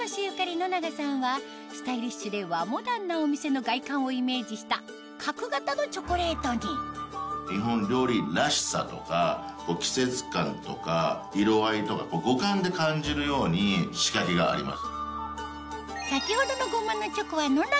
野永さんはスタイリッシュで和モダンなお店の外観をイメージした角形のチョコレートに日本料理らしさとか季節感とか色合いとか五感で感じるように仕掛けがあります。